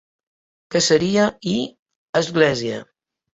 Caseria i església.